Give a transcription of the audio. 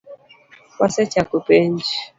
Wasechako penj